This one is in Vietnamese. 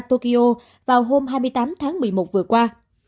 tokyo vào hôm hai mươi tám tháng một mươi một vừa qua